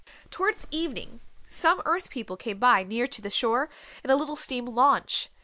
Towards evening some Earth People came by, near to the shore, in a little steam launch.